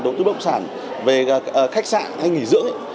đầu tư bộng sản về khách sạn hay nghỉ dưỡng ấy